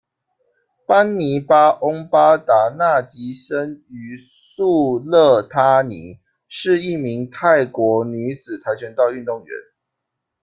班妮巴·翁巴达那吉生于素叻他尼，是一名泰国女子跆拳道运动员。